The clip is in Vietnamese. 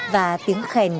và tiếng khen